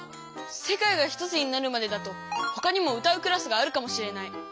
「世界がひとつになるまで」だと他にも歌うクラスがあるかもしれない。